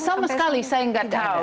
sama sekali saya nggak tahu